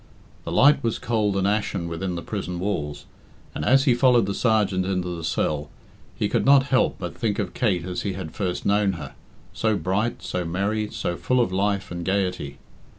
The light was cold and ashen within the prison walls, and as he followed the sergeant into the cell, he could not help but think of Kate as he had first known her, so bright, so merry, so full of life and gaiety.